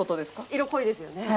色濃いですよね。